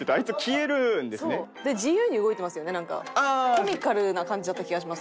コミカルな感じだった気がします